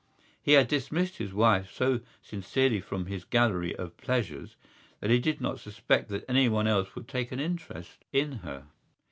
He had dismissed his wife so sincerely from his gallery of pleasures that he did not suspect that anyone else would take an interest in her.